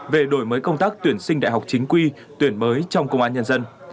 về đổi mới công tác tuyển sinh đại học chính quy tuyển mới trong công an nhân dân